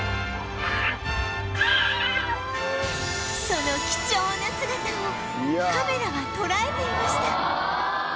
その貴重な姿をカメラは捉えていました